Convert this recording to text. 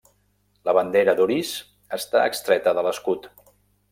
La bandera d'Orís està extreta de l'escut.